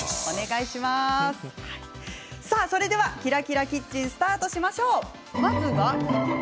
それでは「ＫｉｒａＫｉｒａキッチン」スタートしましょう。